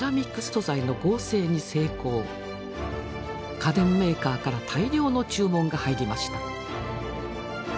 家電メーカーから大量の注文が入りました。